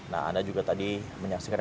nah anda juga tadi menyaksikan